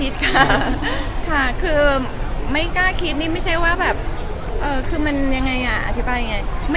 สักครั้งต่อไปพี่แอฟมองไว้ยังไงบ้างคะ